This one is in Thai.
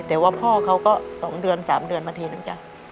แต่ว่าพ่อเค้าก็สองเดือนสามเดือนมาถ่ายแล้วจ้ะ